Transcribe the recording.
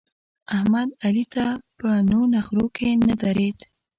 احمد؛ علي ته په نو نخرو کې نه درېد.